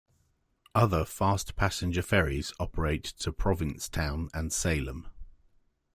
Other fast passenger ferries operate to Provincetown and Salem.